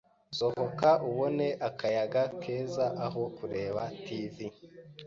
Sohoka ubone akayaga keza aho kureba TV.